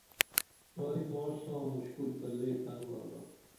پائی ماڜ سا مُشکل تہ لے تنگ آگا